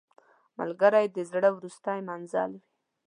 ملګری د زړه وروستی منزل وي